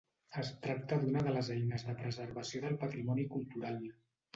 Es tracta d'una de les eines de preservació del patrimoni cultural.